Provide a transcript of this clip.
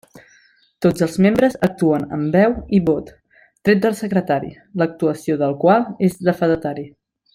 Tots els membres actuen amb veu i vot, tret del secretari, l'actuació del qual és de fedatari.